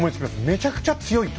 めちゃくちゃ強いと。